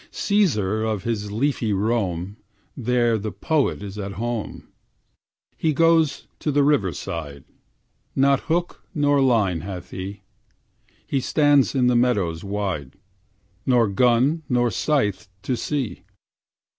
Caesar of his leafy Rome, There the poet is at home. He goes to the river side, Not hook nor line hath he; He stands in the meadows wide, Nor gun nor scythe to see.